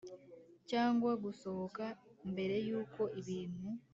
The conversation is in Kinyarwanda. Cyangwa gusohoka mbere y uko ibintu